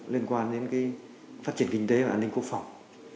liên quan đến phát triển kinh tế và an ninh quốc phòng